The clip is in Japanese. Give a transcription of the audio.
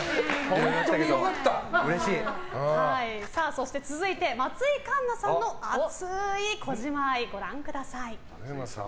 そして続いて、松井栞菜さんの熱い児嶋愛ご覧ください。